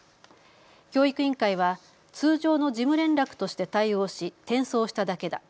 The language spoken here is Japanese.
教育委員会は通常の事務連絡として対応し転送しただけだ。